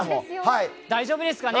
大丈夫ですかね？